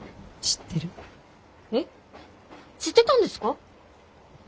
知ってたんですか？